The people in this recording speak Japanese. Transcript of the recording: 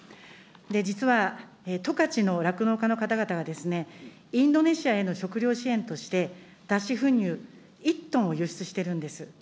実は十勝の酪農家の方々がインドネシアへの食料支援として、脱脂粉乳１トンを輸出してるんです。